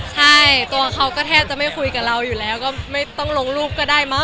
ใช่ตัวเขาก็แทบจะไม่คุยกับเราอยู่แล้วก็ไม่ต้องลงรูปก็ได้มั้